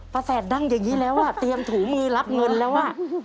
แสดนั่งอย่างนี้แล้วอ่ะเตรียมถูมือรับเงินแล้วอ่ะ